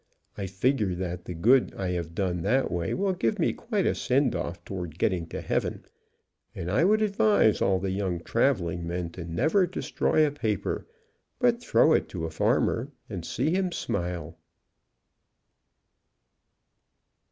I figure that the good I have done that way will give me quite a send off towards getting to heaven, and l68 WANTS TO BE A HERO I would advise all the young traveling men to never destroy a paper, but throw it to a farmer, and see him smile."